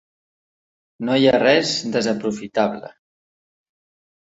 No hi ha res desaprofitable.